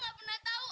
jangan diminum bu